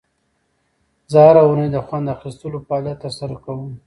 زه هره اونۍ د خوند اخیستلو فعالیت ترسره کوم.